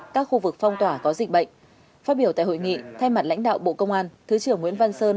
các khu vực phong tỏa có dịch bệnh phát biểu tại hội nghị thay mặt lãnh đạo bộ công an thứ trưởng nguyễn văn sơn